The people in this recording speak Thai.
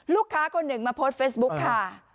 ลูกค้าคนหนึ่งมาโพสต์เฟซบุ๊คค่ะ